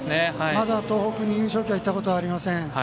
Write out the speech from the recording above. まだ東北に優勝旗がいったことはありません。